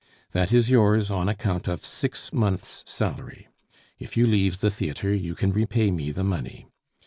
"That is yours, on account of six months' salary. If you leave the theatre, you can repay me the money.